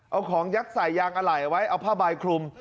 เอาของยัดใส่ยางอะไหล่ไว้เอาผ้าใบคลุม